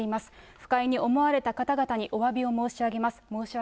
不快に思われた方々におわびを申し上げます。